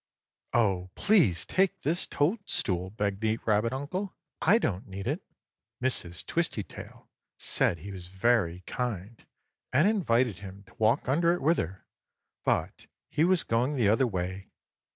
"Oh, please take this toadstool!" begged the rabbit uncle. "I don't need it." Mrs. Twistytail said he was very kind, and invited him to walk under it with her, but he was going the other way.